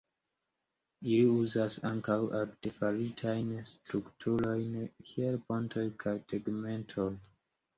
Ili uzas ankaŭ artefaritajn strukturojn kiel pontoj kaj tegmentoj.